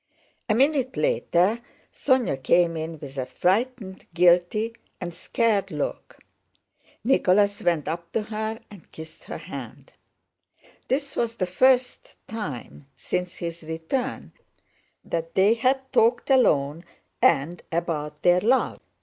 A minute later Sónya came in with a frightened, guilty, and scared look. Nicholas went up to her and kissed her hand. This was the first time since his return that they had talked alone and about their love.